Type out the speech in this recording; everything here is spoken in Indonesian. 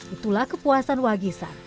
itulah kepuasan wanggisan